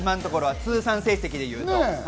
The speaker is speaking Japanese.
通算成績で言うと。